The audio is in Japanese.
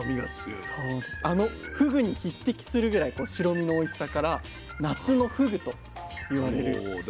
あのふぐに匹敵するぐらい白身のおいしさから「夏のふぐ」と言われる魚なんです。